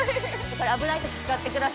これ危ない時に使ってください。